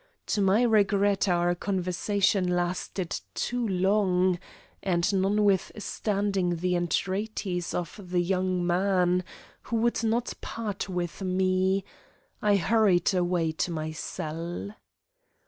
To my regret our conversation lasted too long, and, notwithstanding the entreaties of the young man, who would not part with me, I hurried away to my cell.